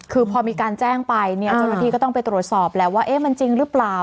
คือพอมีการแจ้งไปเนี่ยเจ้าหน้าที่ก็ต้องไปตรวจสอบแล้วว่ามันจริงหรือเปล่า